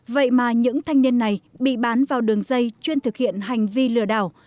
vậy mà những thanh niên này bị bán vào đường dây chuyên thực hiện hành vi lừa đảo